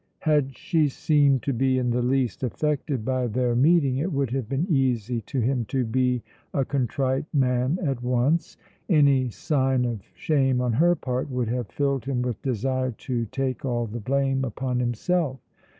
Had she seemed to be in the least affected by their meeting it would have been easy to him to be a contrite man at once; any sign of shame on her part would have filled him with desire to take all the blame upon himself.